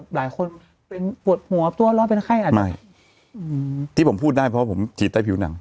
หลายคนเป็นปวดหัวตัวร้อนเป็นไข้อาจจะไม่อืมที่ผมพูดได้เพราะผมฉีดใต้ผิวหนัง